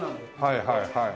はいはいはい。